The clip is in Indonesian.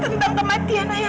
tentang kematian ayah kamu